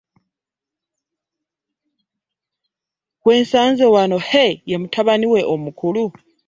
Gwe nsanze wano he mutabani wo omukulu?